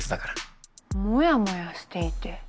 モヤモヤしていて。